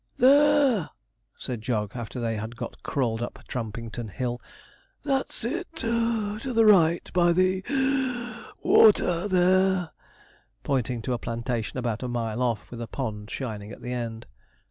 'There,' said Jog, after they had got crawled up Trampington Hill; 'that's it (puff) to the right, by the (wheeze) water there,' pointing to a plantation about a mile off, with a pond shining at the end.